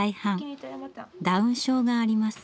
ダウン症があります。